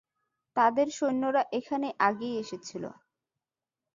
তাদের সৈন্যরা এখানে আগেই এসেছিল।